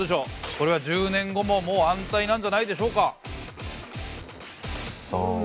これは１０年後ももう安泰なんじゃないでしょうか？